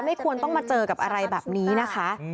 ควรต้องมาเจอกับอะไรแบบนี้นะคะ